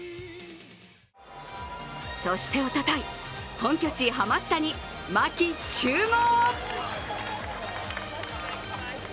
そして、おととい本拠地・ハマスタに牧集合！